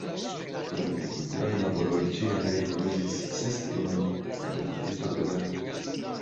Por agrikulturaj laboroj ĉi-jare li uzis ses tunojn da memfarita brulaĵo.